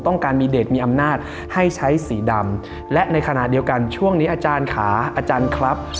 ต้องการมีเดทมีอำนาจให้ใช้สีดำและในขณะเดียวกันช่วงนี้อาจารย์ขาอาจารย์ครับ